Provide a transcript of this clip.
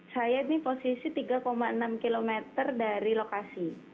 saya ini posisi tiga enam km dari lokasi